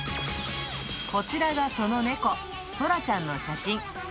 こちらがその猫、そらちゃんの写真。